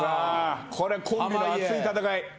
これコンビの熱い戦い。